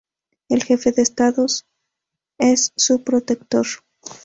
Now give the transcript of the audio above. El jefe de Estado es su protector.